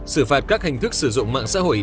xử phạt các hình thức sử dụng mạng xã hội